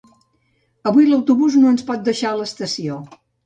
Avui l'autobús no ens pot deixar a l'estació